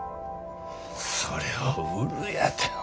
それを売るやてお前。